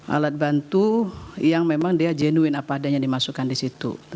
alat bantu yang memang dia jenuin apa adanya dimasukkan di situ